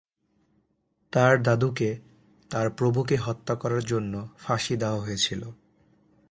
তার দাদুকে তার প্রভুকে হত্যা করার জন্য ফাঁসি দেওয়া হয়েছিল।